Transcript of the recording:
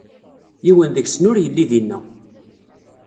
Yiwen deg-sen ur yelli dina.